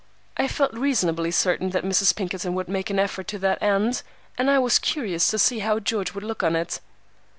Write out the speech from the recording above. I felt reasonably certain that Mrs. Pinkerton would make an effort to that end, and I was curious to see how George would look on it.